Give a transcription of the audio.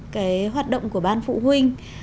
cái hoạt động của ban phụ huynh